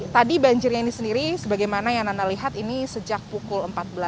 tadi banjirnya ini sendiri sebagaimana yang nana lihat ini sejak pukul empat belas